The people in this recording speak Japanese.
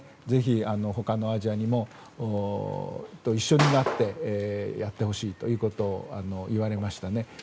ぜひ、他のアジアと一緒になってやってほしいということを言われましたね。